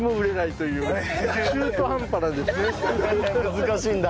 難しいんだ。